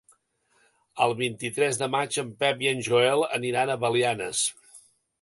El vint-i-tres de maig en Pep i en Joel aniran a Belianes.